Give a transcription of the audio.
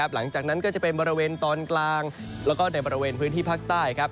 หลังจากนั้นก็จะเป็นบริเวณตอนกลางแล้วก็ในบริเวณพื้นที่ภาคใต้